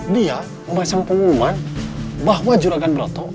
dia membahas pengumuman bahwa juragan broto